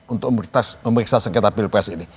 untuk memeriksa sengketa pilpres ini